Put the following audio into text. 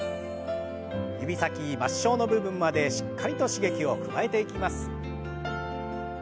指先末しょうの部分までしっかりと刺激を加えていきます。